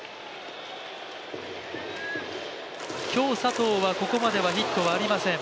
今日、佐藤はここまではヒットはありません。